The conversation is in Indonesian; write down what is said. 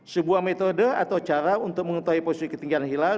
sebuah metode atau cara untuk mengetahui posisi ketinggian hilal